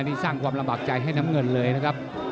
นี่สร้างความลำบากใจให้น้ำเงินเลยนะครับ